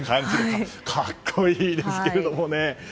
格好いいですけれども。